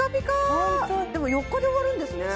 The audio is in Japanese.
ホントでも４日で終わるんですね